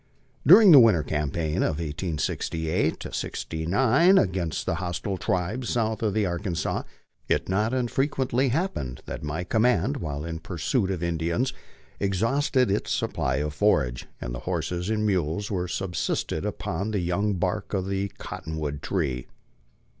During the winter campaign of 1868 '69 against the hostile tribes south of the Arkansas, it not unfrequently happened that my command while in pursuit of Indians exhausted its supply of forage, and the horses and mules were sub sisted upon the young bark of the cottonwood tree.